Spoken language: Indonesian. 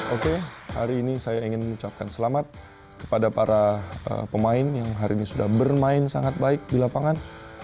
oke hari ini saya ingin mengucapkan selamat kepada para pemain yang hari ini sudah bermain sangat baik di lapangan